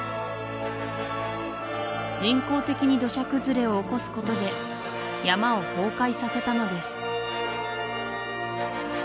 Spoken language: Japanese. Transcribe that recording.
人工的に土砂崩れを起こすことで山を崩壊させたのです